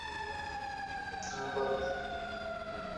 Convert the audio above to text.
ভারত সরকার মহাকাশ গবেষণাকে আরও উৎসাহিত করে।